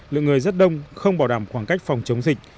lượng người rất đông không bảo đảm khoảng cách phòng chống dịch